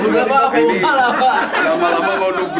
udah bapak buka lah pak